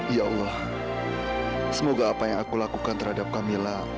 ya allah semoga apa yang aku lakukan terhadap kamila